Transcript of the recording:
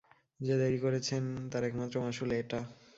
যে দেরী করেছেন, তার একমাত্র মাশূল এটা।